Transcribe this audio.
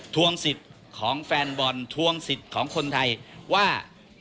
ทวงสิทธิ์ของแฟนบอลทวงสิทธิ์ของคนไทยว่า